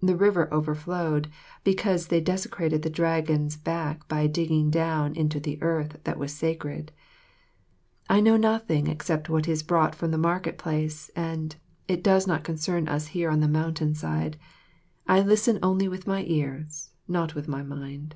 The river overflowed, because they desecrated the Dragon's back by digging down into the earth that was sacred. I know nothing except what is brought from the market place, and, as it does not concern us here on the mountain side, I listen only with my ears, not with my mind.